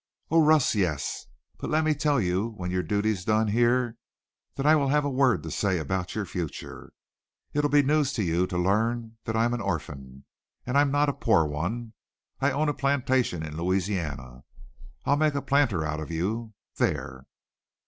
"Oh, Russ! Yes. But let me tell you when your duty's done here that I will have a word to say about your future. It'll be news to you to learn I'm an orphan. And I'm not a poor one. I own a plantation in Louisiana. I'll make a planter out of you. There!"